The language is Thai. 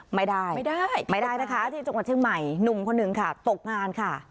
ไม่ได้ไม่ได้นะคะที่จังหวัดเชียงใหม่หนุ่มคนหนึ่งค่ะตกงานค่ะ